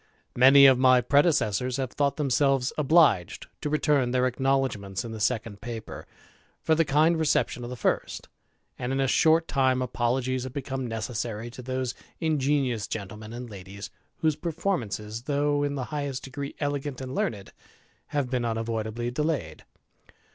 Many of my predecessors have thought them selves obliged to return their acknowledgments in the second paper, for the kind reception of the first ; and, in a short time, apologies have become necessary to those ingenious gentlemen and ladies, whose performances^ though in the highest degree el^ant and learned, have been .r^j unavoidably delayed.